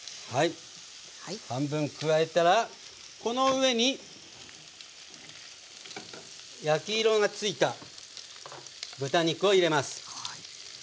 半分加えたらこの上に焼き色がついた豚肉を入れます。